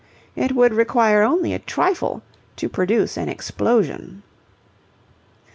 It would require only a trifle to produce an explosion.